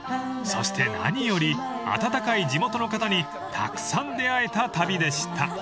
［そして何より温かい地元の方にたくさん出会えた旅でした］